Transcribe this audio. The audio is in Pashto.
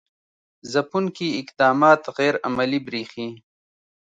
ځپونکي اقدامات غیر عملي برېښي.